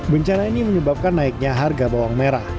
bencana ini menyebabkan naiknya harga bawang merah